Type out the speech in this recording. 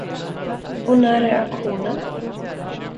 Och när är auktionen?